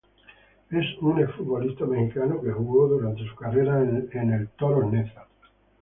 Es un exfutbolista mexicano que jugó durante su carrera en el Toros Neza.